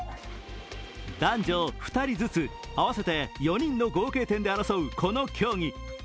男女２人ずつ、合わせて４人の合計点で争うこの競技。